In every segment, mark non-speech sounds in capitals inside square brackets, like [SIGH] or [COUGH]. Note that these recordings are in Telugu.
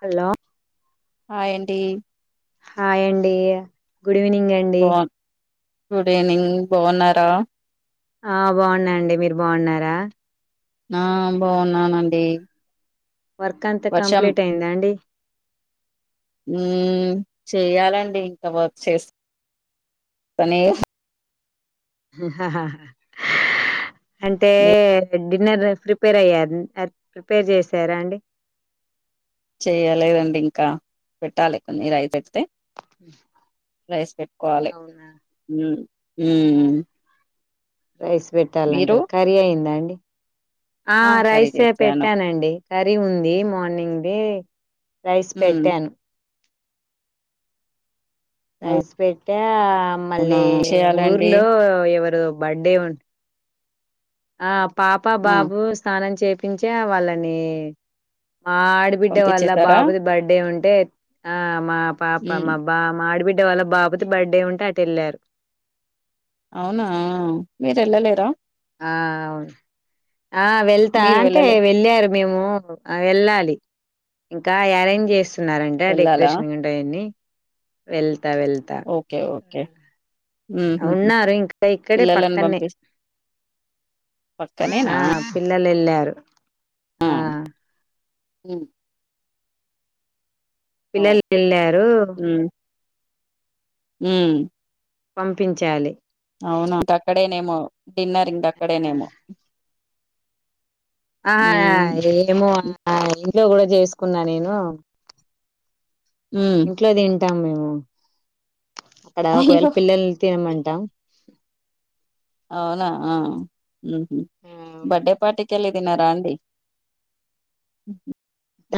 హలో ఆ ఏంటి హాయ్ అండి గుడ్ ఈవినింగ్ అండి బా గుడ్ ఈవినింగ్ బాన్నారా ఆ బాగున్నా అండి మీరు బాగున్నారా ఆ బాగున్నానండి వర్క్ అంతా వర్షం కంప్లీట్ అయిందా అండి మ్ చేయ లండి ఇంకా వర్క్ చేస్ కానీ అంటే మీరు డిన్నర్ ప్రిపేర్ అయ్య అన్ ప్రిపేర్ చేసారా అండి చెయ్యలేదండి ఇంకా పెట్టాలి కొన్నిరు అయితే తే రైస్ పెట్టుకోవాలి అవునా ఉమ్ ఆ, ఉమ్ రైస్ పెట్టాలంటరు కర్రీ అయిందా అండి ఆ కర్రీ రైసే చేసాను పెట్టానండి కర్రీ ఉంది మార్నింగ్ది రైస్ మ్మ్ పెట్టాను రైస్ పెట్టా అవునా మళ్ళీ చేయాలండి ఊర్లో ఎవర్ రు బర్డే ఉంట్ ఆ పాప ఆ బాబు స్నానం చేపించే వాళ్ళని మా ఆడబిడ్డ వల్ల పంపించేసారా బాబుది బర్త్డే ఉంటే ఆ మా పాప మ్మ్ మా బా మా ఆడిబిడ్డ వాళ్ళ బాబుతో బర్త్డే ఉంటే అటు ఎళ్ళారు అవునా మీరు వెళ్ళలేరా ఆ అవును ఆ వెళ్తా మీరు అంటే వెళ్ళలే వెళ్ళారు మేము వెళ్ళా లి ఇంకా అరేంజ్ చేస్ స్తున్నారంటే ఆ వెళ్ళాలా డెకరేషన్ ఉంటాయండి వెళ్తా వెళ్తా ఓకే ఓకే మ్మ్ హు హు ఉన్నారు ఇంకా ఇక్కడే పిల్లలను పక్కన్నె పంపిస్ పక్కనేనా పిల్లలు ఎళ్ళారు ఇం పిల్లలు వెళ్ళారు ఉమ్ ఉమ్ పంపించాలి అవును ఇంక అక్కడేనేమో డిన్నర్ ఇంక ఆ! అక్కడేనేమో ఆహా ఉమ్ ఏమో ఆ ఇంట్లో కూడా చేసుకున్నా నేను ఉమ్ ఇంట్లో తింటాం మేము అక్కడ ఒకవేళ అయ్యో పిల్లలు తినమంటాం అవునా ఆ అవును బడ్డే పార్టీకిలి న్న ంటిడి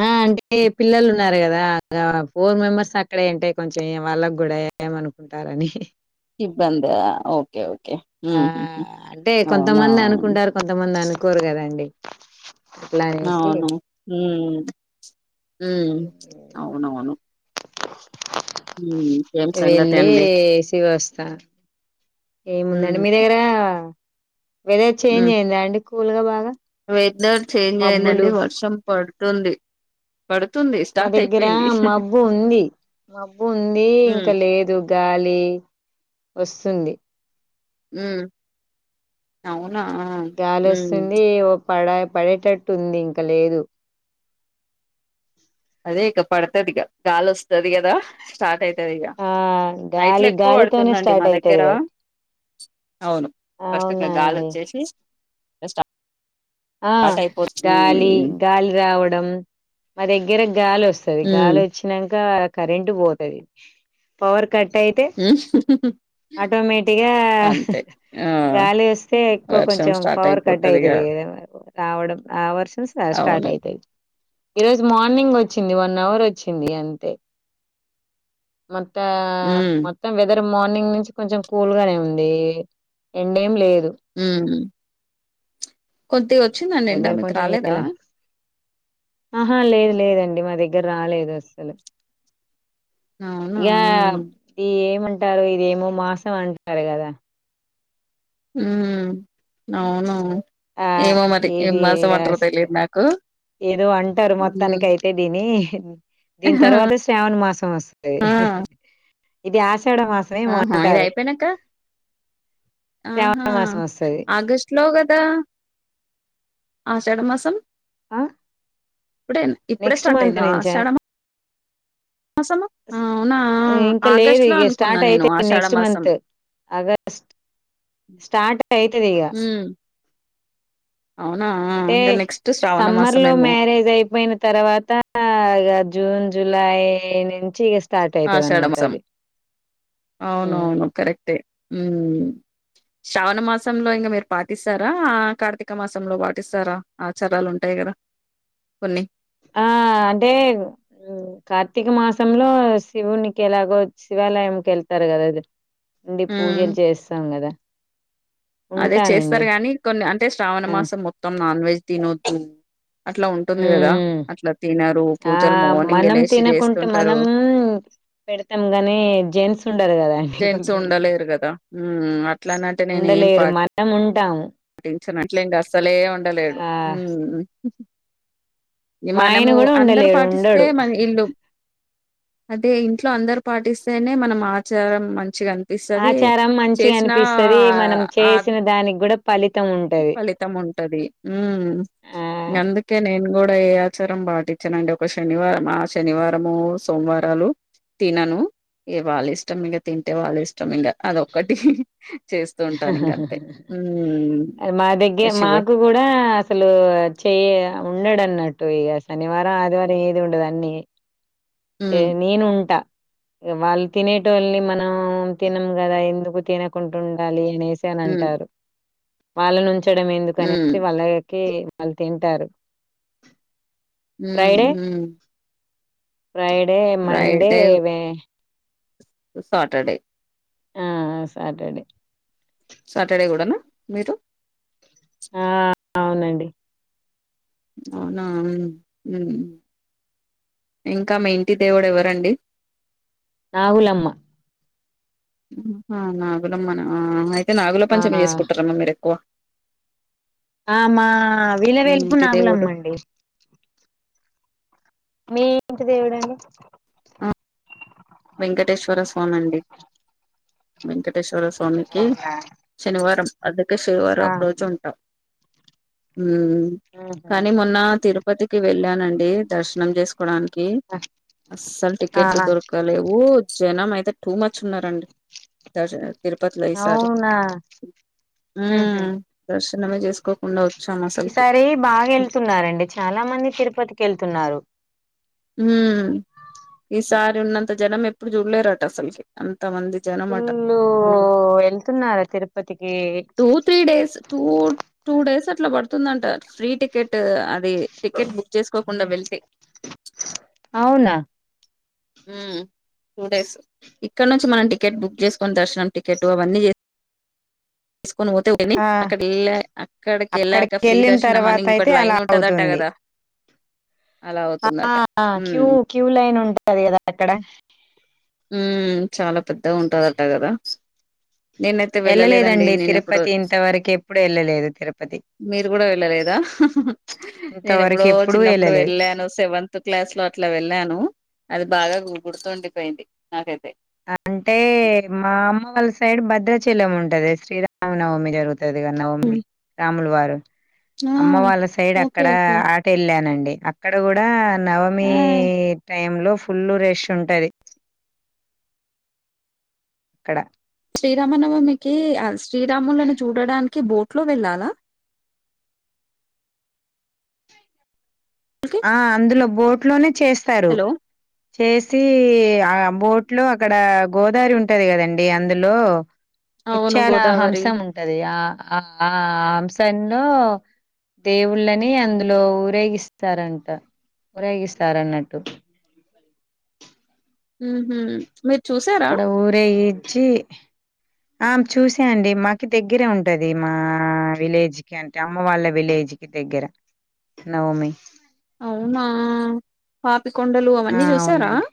ఆ అంటే పిల్లలు ఉన్నారు కదా ఫోర్ మెంబర్స్ అక్కడే అంటే కొంచెం ఎం వాళ్ళకి కూడా ఏమనుకుంటారని ఇబ్బందా ఓకే ఓకే ఆ ఉమ్ హు హు అంటే కొంతమంది అనుకుంటారు కొంతమంది అనుకోరు కదండి అట్లా అనేసి అవును అవునవును ఉమ్ ఏం సంగతి వేళ్ళే అండి సి వస్తా ఉమ్ ఏముందండి మీ దగ్గర వెదేర్ చేంజ్ అయిందా అండి కూల్ గా బాగా ఇద్దరు చేంజ్ మబ్బులు అయిందండి వర్షం పడుతుంది పడుతుంది మా స్టార్ట్ అయిపోయింది దగ్గరమ్ మబ్బు ఉంది మబ్బు ఉంది ఉమ్ ఇంకా లేదు గాలి వస్తుంది ఉ అవును గాలొస్తుంది ఓ ప పడేటట్టు ఉంది ఇంక లేదు అదే ఇక పడతది ఇగ గాలి వస్తది కదా స్టార్ట్ అయితది ఇగ ఆ నైట్ లో గాలి ఎక్కువ గాలితోనే పడుతుందండి మా స్టార్ట్ దగ్గర అయితది కదా అవును ఫస్ట్ ఇంగ అవునా అండి గాలోచ్చేసి ఆ గాలి గాలి రావడం మా దగ్గర గాలి వస్తుంది గాలి ఉమ్ వచ్చాక కరెంటు పోతుది పవర్ కట్ అయితే ఉమ్ ఆటోమేటిక్ గా అంతే ఆ గాలి వస్తే ఇం వర్షం కొంచెం స్టార్ట్ పవర్ కట్ అయిపోతది ఇగ అవుతుదిదా రావడం ఆ వర్సం స్టార్ట్ అవును అవుతుది ఈ రోజు మార్నింగ్ వచ్చింది వన్ అవర్ వచ్చింది అంతే మత్త ఉమ్ మత్త వె మార్నింగ్ నుంచి కొంచెం కూల్ గానే ఉంది ఎండేం లేదు హ కొద్దిగా వచ్చిందండి ఎండా వెదర్ మీకు కొంచెం రాలేదా ఇలా ఆహా లేదు లేదండి మా దగ్గర రాలేదు అస్సలు అవునా ఇక ఇ ఏమంటారు ఇదేమో మాసం అంటారు కదా ఉ అవునువును ఆ ఏమో మది ఏం ఇది మాసం ఇగ అంటారు స్ట్ తెలిదు నాకు ఏదో అంటారు మొత్తానినికి ఉమ్ అయితే దీని దీని తర్వాత శ్రావణ మాసం వస్తుంది ఆ ఇది ఆ చెడ మాసమే ఆహా ఇది అంటారు అయిపోయినాక శ్రావణ ఆహా మాసం వస్తది ఆగస్ట్ లో కదా ఆ చెడమాసం ఆ ఇప్పుడే ఇప్పుడే నెక్స్ట్ స్టార్ట్ మంత్ అయిందా నుంచా సేడ ఇంకా లేదు ఆగస్టు లో ఇక అనుకున్నా స్టార్ట్ నేను అయితే ఆషాఢ నెక్స్ట్ మాసం మంత్ అగస్ట్ స్టార్ట్ అయితుదిగ ఉమ్ అవునా అంటే ఇంకా నెక్స్ట్ శ్రావణ సమ్మర్ లో మాసమేమో మ్యారేజ్ అయిపోయిన తర్వాత జూన్ జులై నుంచి స్టార్ట్ ఆ అయితది అన్నట్టు షడమాసం అది అవునువును కరెక్టే శ్రావణ మాసంలో ఇంకా మీరు పాటిస్తారా ఆ కార్తీక మాసంలో పాటిస్తారా ఆచారాలు ఉంటా కద కొన్ని ఆ అంటే కార్తీక మాసంలో శివునికి ఎలాగో శివాలయంకి వెళ్తారు కదారు అండి ఉమ్ పూజలు చేస్తాం కదా అదే ఉంటానండి చేస్తారు గాని కొన్ని అంటే శ్రావణ ఆ మాసం మొత్తం నాన్ వెజ్ తినొద్దు అట్లా ఉంటుంది కదా ఉమ్ అట్లా తినారు ఆ పూజలు మార్నింగ్ ఎ మనం లేసి తినకుంటే చేస్తుంటారు మనం పెడతాం గాని జెన్స్ ఉండరూ కదా జెంట్స్ కొంతమంది ఉండలేరు కదా మ్మ్ అట్లానంటే నేను ఉండలే మీరు మనం ఉంటాము వచ్చినట్లే ఇంకా అసలే ఉండలేడు ఆ మా ఆయన మనము కూడా అందరు ఉండలేడు పాటిస్తే ఉండడు మన ఇల్లు అదే ఇంట్లో అందరు పాటిస్తేనే మనం ఆచారం మంచిగా అనిపిస్తది ఆచారం మంచిగా చేసిన అనిపిస్తది మనం ఆ చేసిన దానికి కూడా ఫలితం ఉంటది ఫలితం ఉంటది ఉ ఆ అందుకే నేను కూడా ఏ ఆచారం పాటించ నండి ఒక శనివారం ఆ శనివారంము సోమవారాలు తినను వాళ్ళ ఇష్టం ఇంకా తింటే వాళ్ళ ఇష్టం ఇంగా అదొక్కటి చేస్తూ ఉంటాను ఇంగ మా దగ్గర ఎ శివ మాకు కూడ అసలు చెయ ఉండడు అన్న అటు ఇగ శనివారం ఆదివారం ఏది ఉండదు అన్ని హ్మ్ నేను ఉంటా వాళ్ళు తినేటోల్ని మనం తినము కదా ఎందుకు తినకుండా ఉండాలి [UNINTELLIGIBLE] హ్మ్ అంటారు వాళ్ళనుంచడం హ్మ్ ఎందుకునేసి వాళ్ళకి వాళ్ళు తింటారు హు ఫ్రైడే హు ఫ్రైడే మండేే సాటర్డే ఆ సాటర్డే సాటర్డే కూడ నా మీరు ఆ అవునండి అవునా ఇంకా మీ ఇంటి దేవుడు ఎవరండి ఆవులమ్మ నాగులమ్మన అయితే నాగుల ఆ పంచమి చేసుకుంటారమ్మ మీరు ఎక్కువ ఆ మా విలవేలుపు ఇంటి దేవుడు నాగులమ్మండి మీ ఇంటి దేవుడండి ఆ వెంకటేశ్వర స్వామి అండి వెంకటే శ్వర స్వామికి అవునా! శనివారం అందుకే ఆ శనివారం రోజు ఉంట హుహు. కానీ మొన్న తిరుపతికి వెళ్ళానండి దర్శనం చేసు డానికి అస్సలు ఆ టికెట్లు ఆ! దొరు లేవు జనం అయితే టూ మచ్ ఉన్నారండి తిరుపతిలో ఈసారి అవునా దర్శనమే చేసుకోకుండా వచ్చాం ఈ అసలుకి సారి బాగా వెళ్తున్నారండి చాలా మంది తిరుపతికి వెళ్తున్నారు హ ఈసారి ఉన్నంత జనం ఎప్పుడు చూడలేరాట అసలుకి అంతమంది జన మఠ ఫుల్లు వెళ్తున్నారు తిరుపతికి టూ తీ డేస్ టూ టూ డేస్ అట్లా పడుతుందంట ఫ్రీ టికెట్ అది టికెట్ బుక్ చేసుకోకుండా వెళ్తే అవునా హు టూ డేస్ ఇక్కడ నుంచి మనం టికెట్ మనం చేసుకుని దర్శనం టికెట్ అవన్నీ చే [INAUDIBLE] తీసుకొని పోతే పోని ఆ అక్కడ వెళ్ళ అక్కడికి వెళ్ళాక ఫ్రీ వెళ్ళిన దర్శనం అని తర్వాత అయితే ఇంకోటి అలా లైన్ ఉంటదట్ట అవుతుంది కదా అలా అవుతుందట ఆ క్యూ ఉమ్ క్యూ లైన్ ఉంటంది కదా అక్కడ మ్మ్ చాలా పెద్దగా ఉంటందట కదా నేనైతే వెళ్ళలేదండి నేను ఎప్పుడు తిరుపతి ఇంతవరకు ఎప్పుడు వెళ్ళలేదు తిరుపతి మీరు కూడా వెళ్ళలేదా నేను ఎప్పుడో ఇంతవరకు ఎప్పుడూ చిన్నప్పుడు వెళ్ళలేదు వెళ్ళాను సెవెంత్ క్లాస్ లో అట్లా ఇట్లా వెళ్ళను అది బాగా గుడుతుండిపోయింది నాకైతే అంటే మా అమ్మ వాళ్ళ సైడ్ భద్రాచలం ఉంటది శ్రీరామనవమి జరుగుతుంది నవమి రాములు వారు ఆ అమ్మ వాళ్ళ సైడ్ ఓకే అక్కడ ఓకే ఆటు వెళ్ళానండి అక్కడ కూడా నవమి ఆ టైమ్ లో ఫుల్లు రష్ ఉంటది అక్కడ శ్రీరామనవమికి శ్రీరాములను చూడడానికి బోట్ లో వెళ్ళాలా ఓకే. ఆ అందులో బోట్ లోనే చేస్తారు హలో చేసి ఆ బోట్లో అక్కడ గోదారి ఉంటది కదండి అందులో అవును ముత్యాల హంస గోదావరి ఉంటది ఆ ఆహంశ లో దేవుళ్ళని అందులో ఊరేగిస్త రంటా ఊరేగిస్తారన్నట్టు మ్మ్ హ్హ్ అక్కడ ఊరేగించి ఆ చూసా అండి మాకి దగ్గరే ఉంటది మా విలేజ్ కి అంటే అమ్మ వాళ్ళ విలేజ్ కి దగ్గర నవమి అవునా పాపికొండలు ఆ అవన్నీ చూసారా అవునండి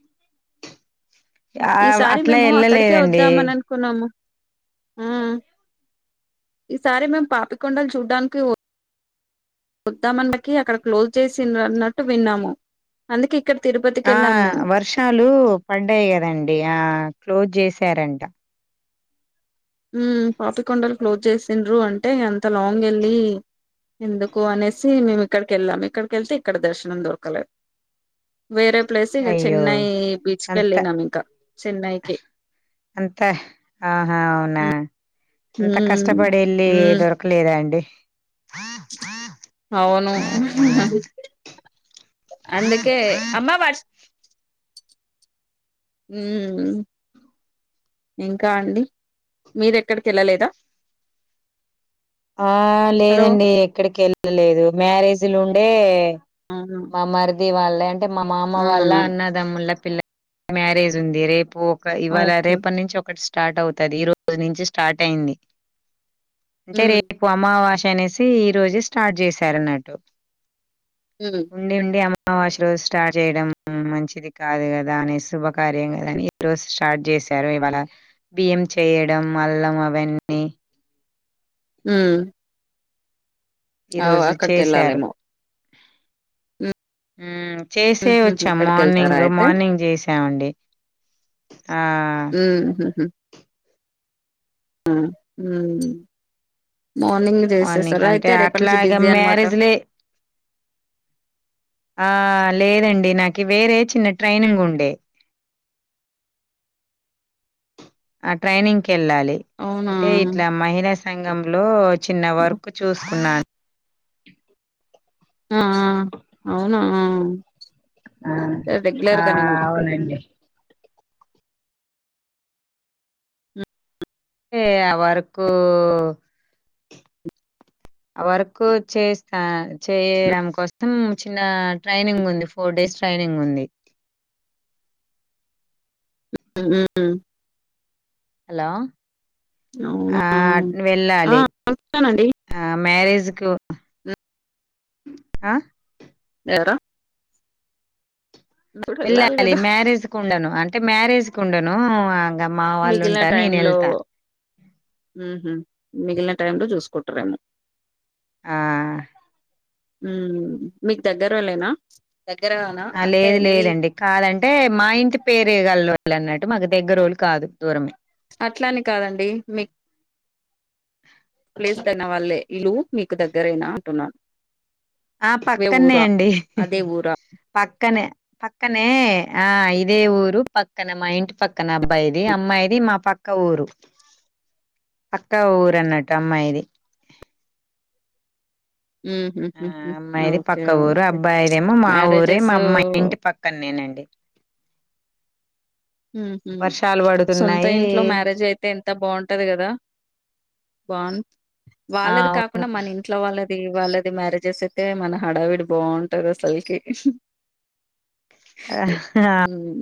ఆ ఈసారి అట్లా మేము అక్కడికే వెళ్ళలేదండి వద్దామని అనుకున్నాము ఆ ఈసారి మేము పాపికొండలు చూడ్డానికి వద్దామనే సరికే అక్కడ క్లోజ్ చేసి అన్నట్టు విన్నాము అందుకే ఇక్కడ తిరుపతికి ఆ వెళ్ళాం మేము వర్షాలు పడ్డాయి కదండి ఆ క్లోజ్ చేశారంట మ్మ్ పాపికొండలు క్లోజ్ చేసిండ్రు అంటే అంత లాంగ్ వెళ్ళి ఎందుకు అనేసి మేము ఇక్కడికి వెళ్ళాం ఇక్కడికి వెళ్తే ఇక్కడ దర్శనం దొరకలేదు వేరే ప్లేస్ ఇక అయ్యో చెన్నై బీచ్ కి వెళ్ళినాం ఇంకా చెన్నైకి అంతే ఆ అవునా అంత మ్మ్ కష్టపడి వెళ్ళి మ్మ్ దొరకలేదా అండి అవును అందుకే అమ్మా వర్షం మ్మ్ హ్ ఇంకా అండి మీరూ ఎక్కడికి వెళ్ళలేదా ఆ హలో లేదండి ఎక్కడికి వెల్లలేదు మ్యారేజీలుండే అవును మా మరిది వాళ్ళ అంటే మా మామ వాళ్ళ అవునవును అన్నదమ్ముల పిల్ల మ్యారేజ్ ఉంది రేపు ఒక ఇవాళ ఓకే రేపటి నుంచి ఒకటి స్టార్ట్ అవుతది ఈ రోజు నుంచి స్టార్ట్ అయింది మ్మ్ అంటే హ్హ్ రేపు అమావాస అనేసి ఈ రోజు స్టార్ట్ చేశారు అన్నట్టు మ్మ్ ఉండి ఉండి అమావాస రోజు స్టార్ట్ చేయడం మంచిది కాదు కదా అనే శుభకార్యం కదా అని ఈ రోజు స్టార్ట్ చేసారు ఇవాళ బియ్యం చేయడం అల్లం అవన్నీ మ్మ్ హ్ ఈరోజు చేశారు వెళ్ళాలేమో చేసే ఉహుహు వచ్చాం అక్కడికెళ్తారా మార్నింగ్ మార్నింగ్ చేసామండి ఆ మ్మ్ హ్హ్ హు హు హు మార్నింగ్ మార్నింగ్ చేసేసారు అయితే అంటే రేపటి నుంచి అట్లాగ బిజీ అనమాట మ్యారేజ్లే [INAUDIBLE] ఆ లేదండి నాకు వేరే చిన్న ట్రైనింగ్ ఉండే ఆ ట్రైనింగ్ వెళ్ళాలి అవునా అంటే ఇట్లా మహిళా సంఘంలో చిన్న వర్క్ చూస్తుకున్నాను [INAUDIBLE] ఆ అవునా ఆ! ఆ! రెగ్యలర్గనేమో అవునండి. ఏ వర్కు వర్క్ చేస్తా చేయడం కోసం చిన్న ట్రైనింగ్ ఉంది ఫోర్ డేస్ ట్రైనింగ్ ఈవినింగ్ ఉంది [UNINTELLIGIBLE] హలో అవునా ఆ ఆ వెళ్ళాలి వెళ్తానండి ఆ మ్యారేజ్ ఆ ఎవరు వెళ్ళాలి కదా మ్యారేజ్ కు ఉండను అంటే మ్యారేజ్ కు ఉండను మిగిలిన టైమ్ లో మిగిలిన టై లో చూసుకుంటారేమో ఆ ఉ మీకు దగ్గరోళ్ళేనా దగ్గరనా ఆ అంటే లేదు మీ లేదండి కాదంటే మా ఇంటి పేరు గల వాళ్ళు అన్నట్టు మాకు దగ్గర వాళ్ళు కాదు దూరమే. అట్లానీ కాదండి మీ వాళ్లే ఇల్లు మీకు దగ్గరయినా అంటున్నాను ఆ పక్కనే అండి అదే ఊరా పక్కనే ప పక్కనే ఆ ఇదే ఊరు పక్కన మా ఇంటి పక్కన అబ్బాయిది అమ్మాయిది మా పక్క పక్క ఊరు పక్కా ఊర అన్నట్టు అమ్మాయిది ఉహు ఆ అమ్మాయిది ఓకే పక్క ఊరు ఓకే అబ్బాయిదేమో మా ఊరే మ్యారేజెస్ మా అమ్మాయి ఇంటి పక్కన నేనండి [UNINTELLIGIBLE] సొంత ఇంట్లో మ్యారేజ్ అయితే ఎంత బాగుంటది కదా బాగు ఆ వాళ్ళది కాకుండా మన ఇంట్లో వాళ్ళది అది వాళ్ళది మ్యారేజెస్ అయితే మన హడావిడి బాగుంటది అసలుకి ఆ ఉమ్